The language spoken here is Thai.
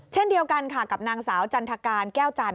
เช่นเดียวกันค่ะกับนางสาวจันทการแก้วจันท